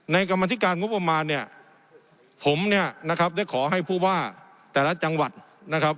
กรรมธิการงบประมาณเนี่ยผมเนี่ยนะครับได้ขอให้ผู้ว่าแต่ละจังหวัดนะครับ